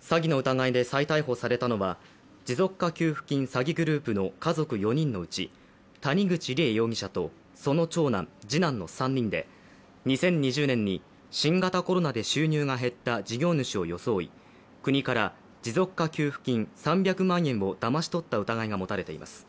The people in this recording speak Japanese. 詐欺の疑いで再逮捕されたのは持続化給付金詐欺グループの家族４人のうち、谷口梨恵容疑者とその長男、次男の３人で２０２０年に新型コロナで収入が減った事業主を装い国から持続化給付金３００万円をだまし取った疑いが持たれています。